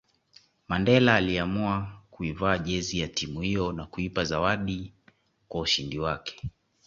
Mandela aliiamua kuivaa jezi ya timu hiyo na kuipa zawadi kwa ushindi wake